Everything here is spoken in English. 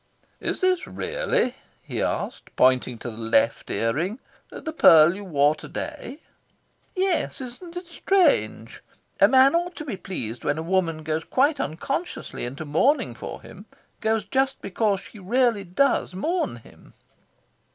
"Is this really," he asked, pointing to the left ear ring, "the pearl you wore to day?" "Yes. Isn't it strange? A man ought to be pleased when a woman goes quite unconsciously into mourning for him goes just because she really does mourn him."